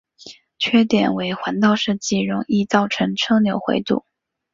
缺点为环道设计容易造成车流回堵。